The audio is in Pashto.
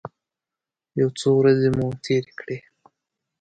یو څو ورځې مو تېرې کړې.